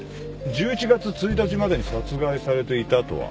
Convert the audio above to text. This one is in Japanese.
１１月１日までに殺害されていたとは？